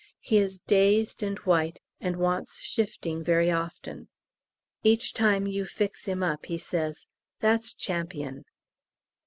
He is dazed and white, and wants shifting very often. Each time you fix him up he says, "That's champion."